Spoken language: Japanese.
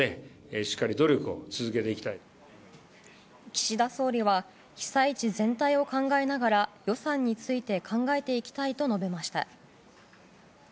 岸田総理は被災地全体を考えながら予算について考えていきたいと述べました。